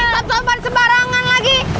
sop sopan sebarangan lagi